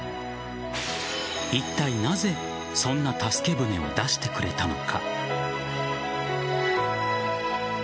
いったいなぜそんな助け舟を出してくれたのか。